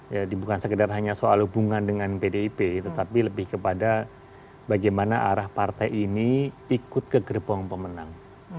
ya bukan sekedar hanya soal hubungan dengan pdip tetapi lebih kepada bagaimana arah partai ini ikut ke gerbong pemenang